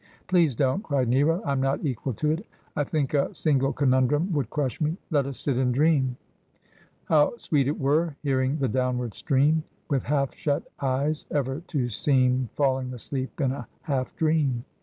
' Please don't,' cried Nero ;' I am not equal to it. I think a single conundrum would crush me. Let us sit and dream. " How sweet it were, hearing the downward stream, With half shut eyes ever to seem Falling asleep in a half dream